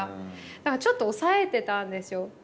だからちょっと抑えてたんですよ。